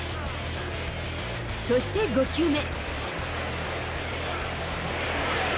そして５球目。